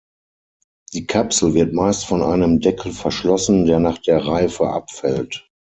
Die Kapsel wird meist von einem Deckel verschlossen, der nach der Reife abfällt.